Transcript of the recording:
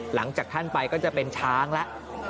หลังจากท่านไปก็จะเป็นช้างแล้ว